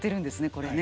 これね。